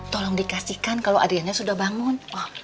tolong dikasihkan kalau adrianya sudah bangun